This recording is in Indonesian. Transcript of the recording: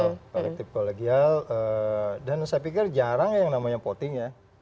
kolektif kolegial dan saya pikir jarang yang namanya voting ya